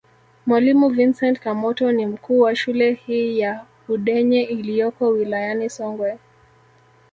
Mwalimu Vincent Kamoto ni mkuu wa shule hii ya Udenye iliyoko wilayani Songwe